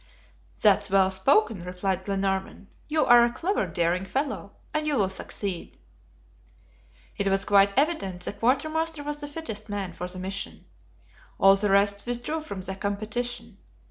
"That's well spoken," replied Glenarvan. "You are a clever, daring fellow, and you will succeed." It was quite evident the quartermaster was the fittest man for the mission. All the rest withdrew from the competition.